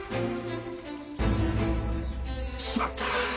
しまった。